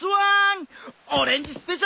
オレンジスペシャルお届け。